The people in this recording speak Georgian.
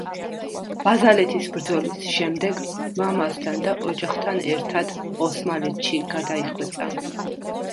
ბაზალეთის ბრძოლის შემდეგ მამასთან და ოჯახთან ერთად ოსმალეთში გადაიხვეწა.